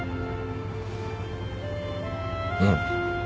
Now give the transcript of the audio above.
うん。